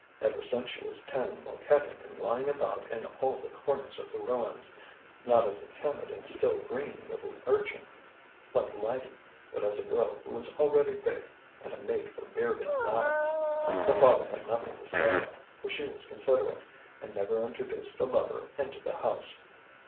Ever since she was ten Mouquette had been lying about in all the corners of the ruins, not as a timid and still green little urchin like Lydie, but as a girl who was already big, and a mate for bearded lads. The father had nothing to say, for she was considerate, and never introduced a lover into the house.